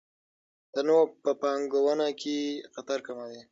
تنوع په پانګونه کې خطر کموي.